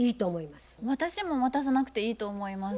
私も渡さなくていいと思います。